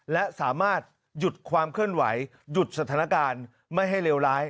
และสามารถหยุดความเคลื่อนไหวหยุดสถานการณ์ไม่ให้เลวร้าย